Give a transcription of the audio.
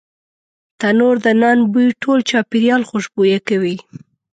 تنور د نان بوی ټول چاپېریال خوشبویه کوي